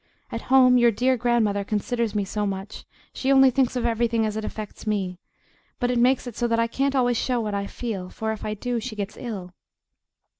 At home your dear grandmother considers me so much she only thinks of everything as it affects me, but it makes it so that I can't always show what I feel, for if I do she gets ill.